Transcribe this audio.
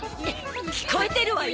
聞こえてるわよ。